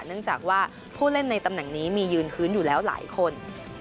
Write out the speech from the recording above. เนื่องจากว่าผู้เล่นในตำแหน่งนี้มียืนพื้นอยู่แล้วหลายคน